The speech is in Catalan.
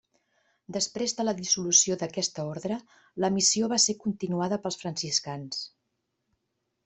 Després de la dissolució d'aquesta ordre, la missió va ser continuada pels franciscans.